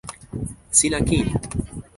sina kin.